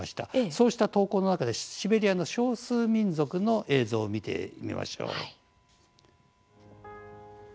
そうした投稿の中でシベリアの少数民族の映像を見てみましょう。